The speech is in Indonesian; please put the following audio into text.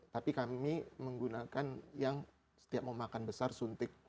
tapi kami menggunakan yang setiap mau makan besar suntik